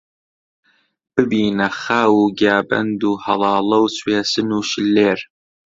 ببینە خاو و گیابەند و هەڵاڵە و سوێسن و شللێر